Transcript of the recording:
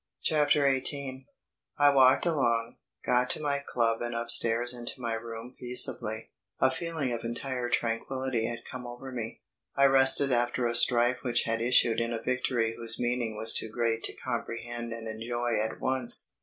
CHAPTER EIGHTEEN I walked along, got to my club and upstairs into my room peaceably. A feeling of entire tranquillity had come over me. I rested after a strife which had issued in a victory whose meaning was too great to comprehend and enjoy at once.